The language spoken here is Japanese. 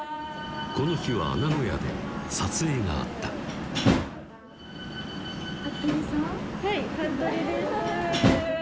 この日は名古屋で撮影があったはい服部です